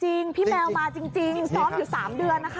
จริงพี่แมวมาจริงฟิตซอมอยู่๓เดือนนะครับ